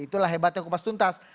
itulah hebatnya kupas tuntas